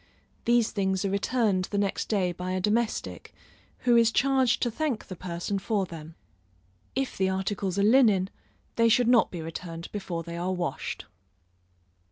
These things are returned the next day by a domestic, who is charged to thank the person for them. If the articles are linen, they should not be returned before they are washed.